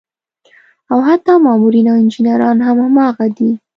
او حتا مامورين او انجينران هم هماغه دي